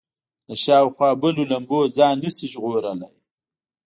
له شاوخوا بلو لمبو ځان نه شي ژغورلی.